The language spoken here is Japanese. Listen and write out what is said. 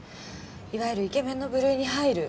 いわゆる「イケメン」の部類に入る。